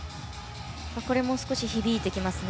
これも少し響いてきますね。